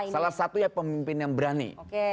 salah satunya pemimpin yang berani